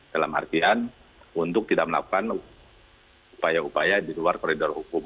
dalam artian untuk tidak melakukan upaya upaya di luar koridor hukum